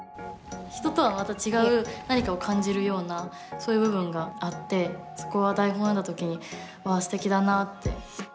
人とはまた違う何かを感じるようなそういう部分があってそこは台本を読んだ時にわあすてきだなって。